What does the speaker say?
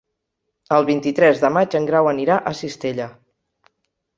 El vint-i-tres de maig en Grau anirà a Cistella.